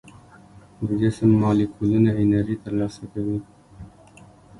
د جسم مالیکولونه انرژي تر لاسه کوي.